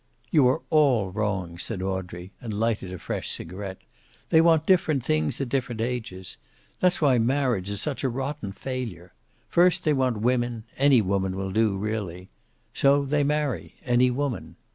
"You are all wrong," said Audrey, and lighted a fresh cigaret. "They want different things at different ages. That's why marriage is such a rotten failure. First they want women; any woman will do, really. So they marry any woman.